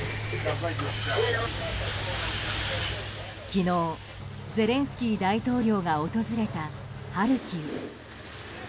昨日、ゼレンスキー大統領が訪れたハルキウ。